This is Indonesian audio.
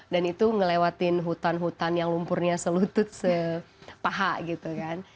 dan itu ngelewatin hutan hutan yang lumpurnya selutut sepaha gitu kan